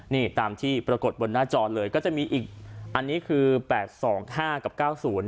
นี่ตามที่ปรากฏบนหน้าจอเลยก็จะมีอีกอันนี้คือ๘๒๕กับ๙๐